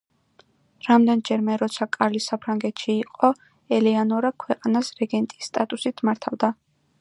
რამდენჯერმე, როცა კარლი საფრანგეთში იყო, ელეანორა ქვეყანას რეგენტის სტატუსით მართავდა.